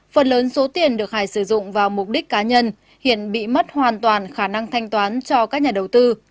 phần lớn số tiền được hải sử dụng vào mục đích cá nhân hiện bị mất hoàn toàn khả năng thanh toán cho các nhà đầu tư